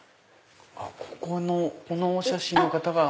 ここのこのお写真の方が。